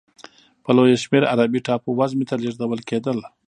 په لویه شمېر عربي ټاپو وزمې ته لېږدول کېدل.